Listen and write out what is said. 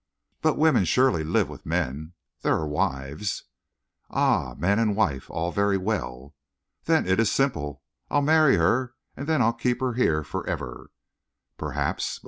"But women surely live with men. There are wives " "Ah! Man and wife all very well!" "Then it is simple. I marry her and then I keep her here forever." "Perhaps.